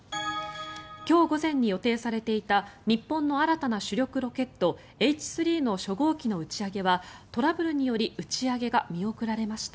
今日午前に予定されていた日本の新たな主力ロケットＨ３の初号機の打ち上げはトラブルにより打ち上げは見送られました。